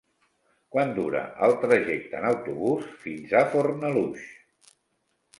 Quant dura el trajecte en autobús fins a Fornalutx?